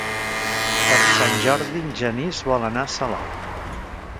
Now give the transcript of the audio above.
Per Sant Jordi en Genís vol anar a Salou.